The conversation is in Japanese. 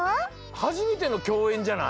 はじめてのきょうえんじゃない？